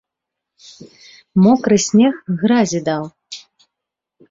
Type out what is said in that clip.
Мокры снег гразі даў.